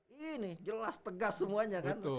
ini jelas tegas semuanya kan